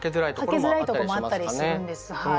かけづらいとこもあったりするんです。